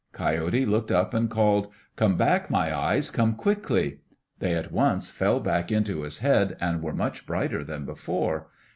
Coyote looked up and called, "Come back, my eyes. Come quickly." They at once fell back into his head and were much brighter than before.